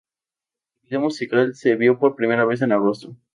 El video musical se vio por primera vez en agosto.